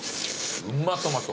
うまっトマト。